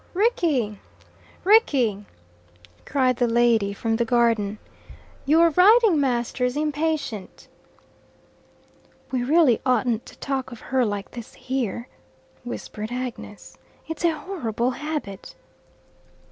"Rickie! Rickie!" cried the lady from the garden, "Your riding master's impatient." "We really oughtn't to talk of her like this here," whispered Agnes. "It's a horrible habit."